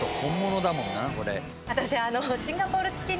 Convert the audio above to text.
私